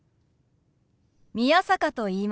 宮坂と言います。